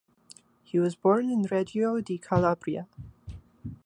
He was born in Reggio di Calabria.